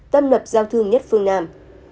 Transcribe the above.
tâm lập giao thương nhất phương nam